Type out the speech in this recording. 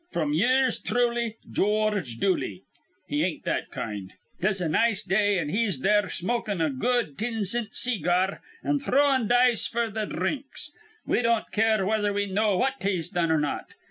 Fr'm ye'ers thruly, George Dooley.' He ain't that kind. 'Tis a nice day, an' he's there smokin' a good tin cint see gar, an' throwin' dice f'r th' dhrinks. He don't care whether we know what he's done or not.